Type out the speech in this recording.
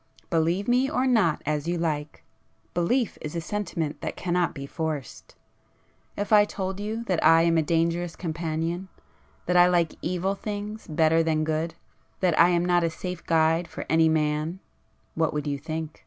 Believe me or not as you like,—belief is a sentiment that cannot be forced. If I told you that I am a dangerous companion,—that I like evil things better than good,—that I am not a safe guide for any man, what would you think?"